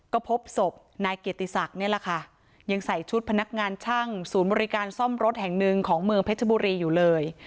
ก็พบศพนายเกียรติศักดิ์นี่แหละค่ะยังใส่ชุดพนักงานช่างศูนย์บริการซ่อมรถแห่งหนึ่งของเมืองเพชรบุรีอยู่เลย